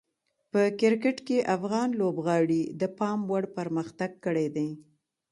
په کرکټ کې افغان لوبغاړي د پام وړ پرمختګ کړی دی.